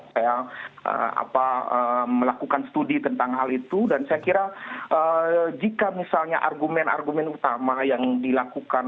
saya melakukan studi tentang hal itu dan saya kira jika misalnya argumen argumen utama yang dilakukan